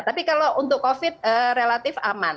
tapi kalau untuk covid relatif aman